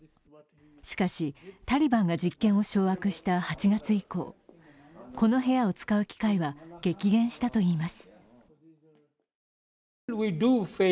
しかし、タリバンが実権を掌握した８月以降、この部屋を使う機会は激減したといいます。